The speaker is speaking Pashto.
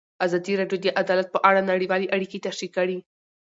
ازادي راډیو د عدالت په اړه نړیوالې اړیکې تشریح کړي.